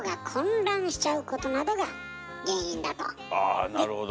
あなるほど。